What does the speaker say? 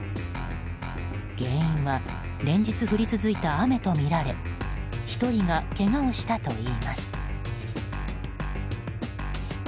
原因は連日降り続いた雨とみられ１人がけがをしたといいます。